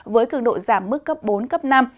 với cường độ giảm mức cấp bốn cấp năm